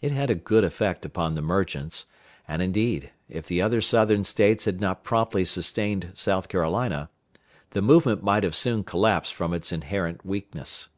It had a good effect upon the merchants, and, indeed, if the other Southern States had not promptly sustained South Carolina, the movement must have soon collapsed from its inherent weakness.